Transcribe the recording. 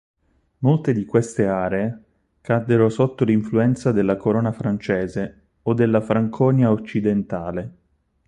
Molte di queste aree caddero sotto l'influenza della corona francese o della Franconia occidentale.